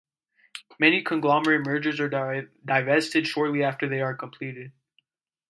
Many conglomerate mergers are divested shortly after they are completed.